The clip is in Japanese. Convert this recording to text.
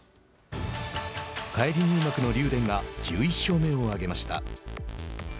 返り入幕の竜電が１１勝目を挙げました。